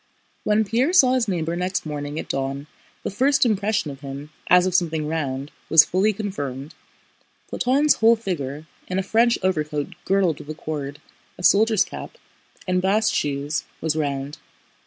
When Pierre saw his neighbor next morning at dawn the first impression of him, as of something round, was fully confirmed: Platón's whole figure—in a French overcoat girdled with a cord, a soldier's cap, and bast shoes—was round.